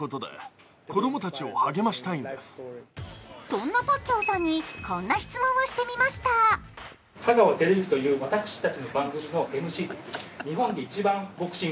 そんなパッキャオさんにこんな質問をしてみました。